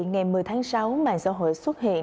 ngày một mươi tháng sáu mạng xã hội xuất hiện